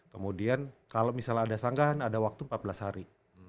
kemudian kalau misalnya ada sanggahan ada waktu empat belas hari